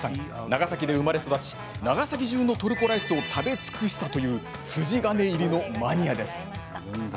長崎で生まれ育ち長崎中のトルコライスを食べ尽くしたという筋金入りのマニアです。